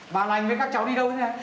bà là anh với các cháu đi đâu thế